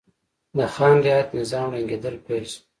د خان رعیت نظام ړنګېدل پیل شول.